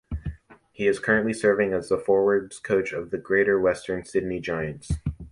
He is currently serving as the forwards coach of the Greater Western Sydney Giants.